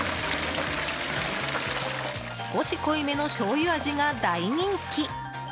少し濃いめのしょうゆ味が大人気。